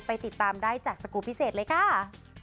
ติดตามได้จากสกูลพิเศษเลยค่ะ